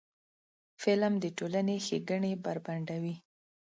فلم د ټولنې ښېګڼې بربنډوي